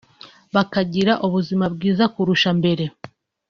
bakagira ubuzima bwiza kurusha mbere